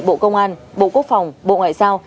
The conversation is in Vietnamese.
bộ công an bộ quốc phòng bộ ngoại giao